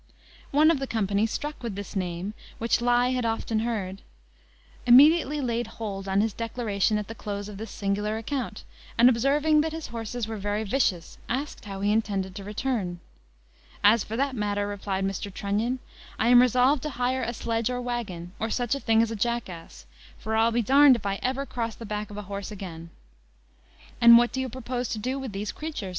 One of the company, struck with this name, which he had often heard, immediately laid hold on his declaration at the close of this singular account, and, observing that his horses were very vicious, asked how he intended to return. "As for that matter," replied Mr. Trunnion, "I am resolved to hire a sledge or waggon, or such a thing as a jackass; for I'll be d d if ever I cross the back of a horse again." "And what do you propose to do with these creatures?"